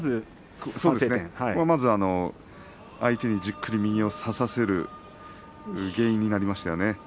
まず相手にじっくり右を差させる原因になりましたね。